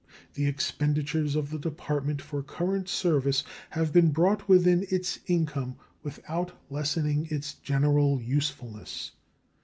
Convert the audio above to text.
The expenditures of the Department for current service have been brought within its income without lessening its general usefulness.